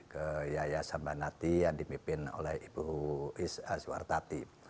ke yayasan banati yang dimimpin oleh ibu eis suhartati